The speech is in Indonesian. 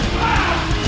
gak ada masalah